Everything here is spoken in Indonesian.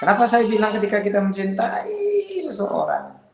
kenapa saya bilang ketika kita mencintai seseorang